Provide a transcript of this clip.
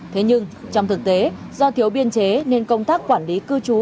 thế nhưng trong thực tế do thiếu biên chế nên công tác quản lý cư trú